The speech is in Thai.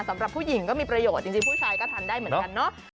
สำหรับผู้หญิงก็มีประโยชน์จริงผู้ชายก็ทันได้เหมือนกันเนาะ